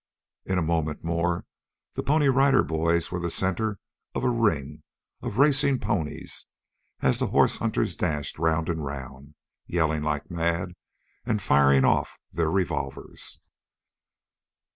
In a moment more the Pony Rider Boys were the center of a ring of racing ponies, as the horse hunters dashed round and round, yelling like mad and firing off their revolvers.